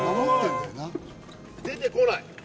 出てこない。